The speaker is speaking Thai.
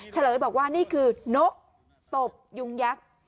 เฉลยบอกว่านี่คือนกตบยุงยักษ์